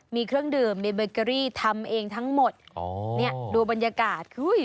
มีเครื่องดื่มมีเบเกอรี่ทำเองทั้งหมดอ๋อเนี่ยดูบรรยากาศเฮ้ย